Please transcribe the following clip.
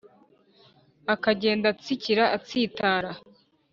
akagenda atsikira atsitara